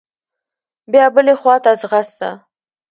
بيا بلې خوا ته ځغسته.